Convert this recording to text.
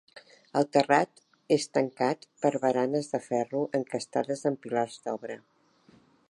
El terrat és tancat per baranes de ferro encastades en pilars d'obra.